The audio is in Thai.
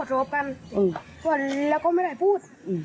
ก็ทวดโกรธกันแล้วก็ไม่ได้พูด